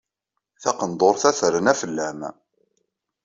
Taqendurt-a terna fell-am.